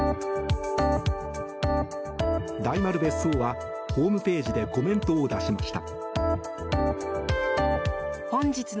大丸別荘はホームページでコメントを出しました。